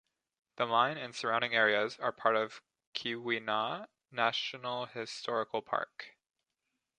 The mine and surrounding areas are part of Keweenaw National Historical Park.